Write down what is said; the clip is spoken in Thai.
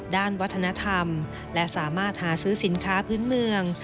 ด้านวัฒนธรรมและสามารถหาซื้อสินค้าพื้นเมือง